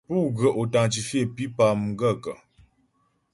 Pú ghə́ authentifier mpípá lwâ m gaə̂kə́ ?